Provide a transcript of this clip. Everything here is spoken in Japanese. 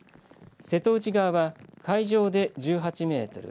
瀬戸内側は海上で１８メートル